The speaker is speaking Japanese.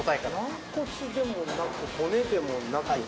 軟骨でもなく骨でもなく。